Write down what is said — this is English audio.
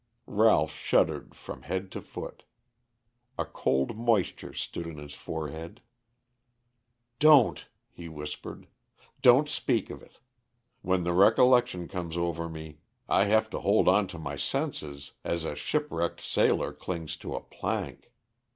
Ralph shuddered from head to foot. A cold moisture stood on his forehead. "Don't," he whispered. "Don't speak of it. When the recollection comes over me I have to hold on to my senses as a shipwrecked sailor clings to a plank.